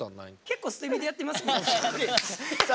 結構捨て身でやってますみんな。